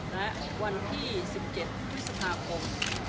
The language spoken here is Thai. และวันที่๑๗พฤษภาคม